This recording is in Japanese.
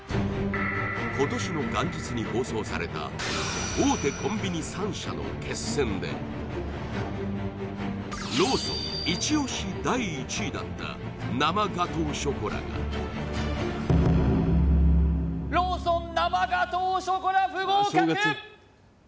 今年の元日に放送された大手コンビニ３社の決戦でローソンイチ押し第１位だった生ガトーショコラがローソン